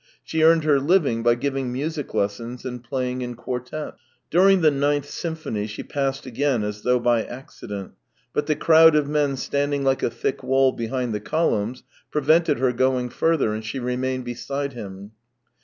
She earned her living by giving music lessons and playing in quartettes. During the ninth symphony she passed again as though by accident, but the crowd of men standing like a thick wall behind the columns prevented her going further, and she remained beside him.